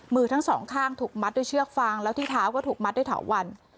มือทั้งสองข้างถูกมัดด้วยเชือกฟางแล้วที่เท้าก็ถูกมัดด้วยเถาวัน